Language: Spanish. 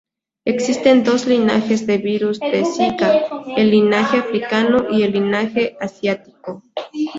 Existen dos linajes de virus del Zika, el linaje africano y el linaje asiático.